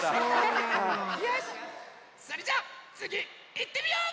よしそれじゃつぎいってみよう！